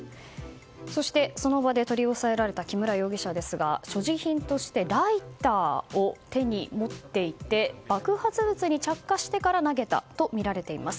そしてその場で取り押さえられた木村容疑者ですが所持品としてライターを手に持っていて爆発物に着火してから投げたとみられています。